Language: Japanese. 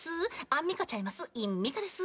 アンミカちゃいます。